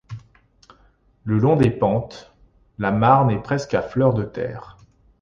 Le long des pentes, la marne est presque à fleur de terre.